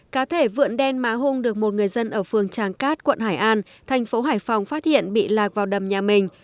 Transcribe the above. cá thể vượn đen má hung được một người dân ở phường tràng cát quận hải an thành phố hải phòng phát hiện bị lạc vào đầm nhà mình